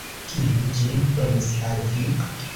Kiu ĝin donis al vi?